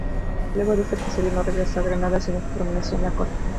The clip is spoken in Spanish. Luego de este episodio no regresó a Granada, sino que permaneció en la Corte.